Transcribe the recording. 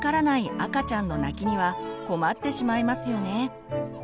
赤ちゃんの泣きには困ってしまいますよね。